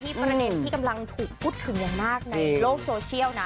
ประเด็นที่กำลังถูกพูดถึงอย่างมากในโลกโซเชียลนะ